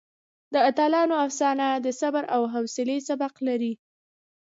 د اتلانو افسانه د صبر او حوصلې سبق لري.